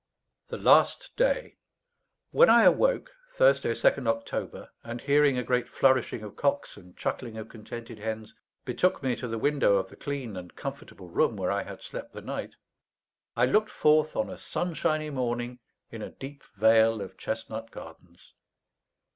THE LAST DAY When I awoke (Thursday, 2nd October), and, hearing a great flourishing of cocks and chuckling of contented hens, betook me to the window of the clean and comfortable room where I had slept the night, I looked forth on a sunshiny morning in a deep vale of chestnut gardens.